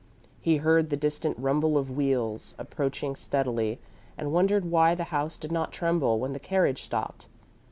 He heard the distant rumble of wheels, approaching steadily, and wondered why the house did not tremble when the carriage stopped.